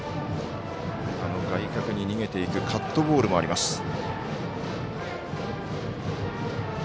外角に逃げていくカットボールもあります。